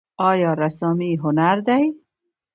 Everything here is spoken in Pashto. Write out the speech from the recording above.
آیا رسامي هنر دی؟